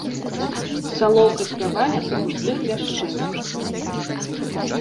Салоўка спявае ў густых ляшчынах.